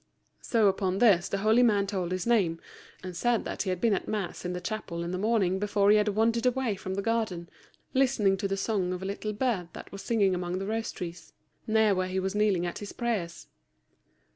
So upon this the holy man told his name, and said that he had been at mass in the chapel in the morning before he had wandered away from the garden listening to the song of a little bird that was singing among the rose trees, near where he was kneeling at his prayers.